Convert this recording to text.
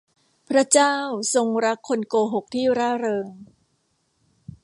พระเจ้าทรงรักคนโกหกที่ร่าเริง